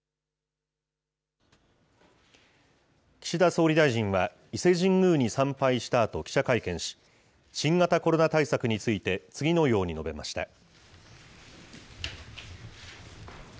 岸田総理大臣は、伊勢神宮に参拝したあと記者会見し、新型コロナ対策について次のように述べました。